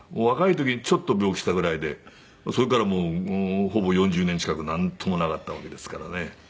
若い時にちょっと病気したぐらいでそれからもうほぼ４０年近くなんともなかったわけですからね。